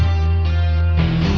oke sampai jumpa